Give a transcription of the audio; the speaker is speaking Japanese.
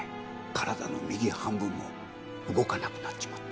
体の右半分も動かなくなっちまって。